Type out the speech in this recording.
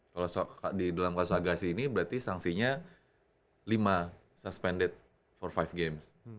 kalau di dalam kasus agasi ini berarti sanksinya lima suspended for lima games